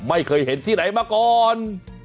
ไม่เคยเห็นที่ไหนมาก่อน